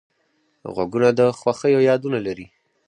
غوږونه د خوښیو یادونه لري